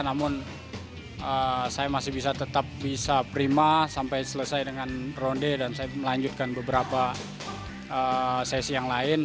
namun saya masih bisa tetap bisa prima sampai selesai dengan ronde dan saya melanjutkan beberapa sesi yang lain